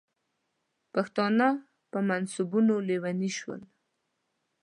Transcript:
پښتانه په منصبونو لیوني شول.